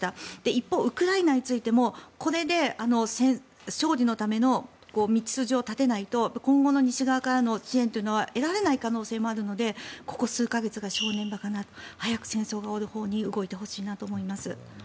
一方、ウクライナについてもこれで勝利のための道筋を立てないと今後の西側からの支援というのは得られない可能性もあるのでここ数か月が正念場かな早く戦争が終わるほうに動いてほしいなと思います。